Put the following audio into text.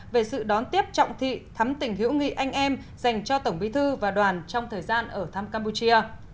về sự đón tiếp trọng thị thắm tỉnh hữu nghị anh em dành cho tổng bí thư và đoàn trong thời gian ở thăm campuchia